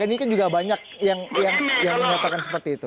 ini kan juga banyak yang mengatakan seperti itu